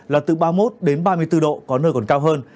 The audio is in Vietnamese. là từ ba mươi một đến ba mươi bốn độ có nơi còn cao hơn